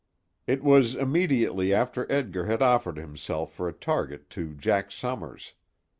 It was immediately after Edgar had offered himself for a target to Jack Summers.